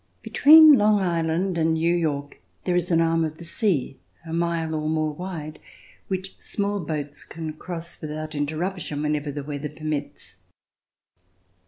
Between Long Island and New York there is an arm of the sea a mile or more wide, which small boats can cross without Interruption whenever the weather permits.